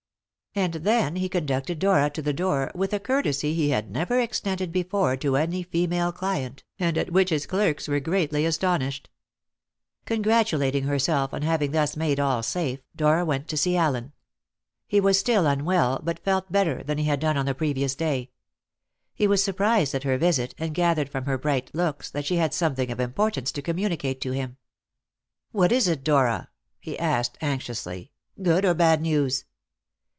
And then he conducted Dora to the door with a courtesy he had never extended before to any female client, and at which his clerks were greatly astonished. Congratulating herself on having thus made all safe, Dora went to see Allen. He was still unwell, but felt better than he had done on the previous day. He was surprised at her visit, and gathered from her bright looks that she had something of importance to communicate to him. "What is it, Dora?" he asked anxiously; "good or bad news?"